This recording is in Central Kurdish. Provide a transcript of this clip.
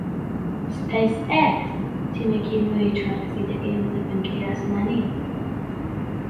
سپەیس ئێکس تیمێکی نوێی چوار کەسی دەگەیەنێتە بنکەی ئاسمانی